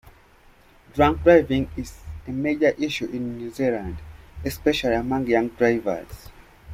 Drunk driving is a major issue in New Zealand, especially among young drivers.